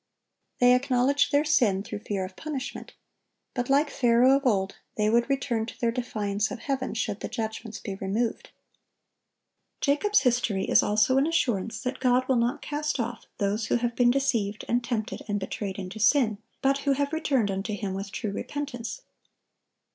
They acknowledge their sin, through fear of punishment; but, like Pharaoh of old, they would return to their defiance of Heaven, should the judgments be removed. Jacob's history is also an assurance that God will not cast off those who have been deceived, and tempted, and betrayed into sin, but who have returned unto Him with true repentance.